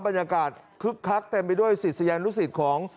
บรรยากาศคึกคักเต็มไปด้วยสิทธิ์สะยานลูกศิษฐ์ของ